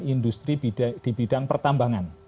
industri di bidang pertambangan